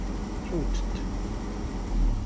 Ttunt-t.